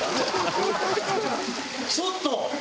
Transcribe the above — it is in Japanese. ちょっと！